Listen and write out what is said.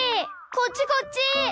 こっちこっち！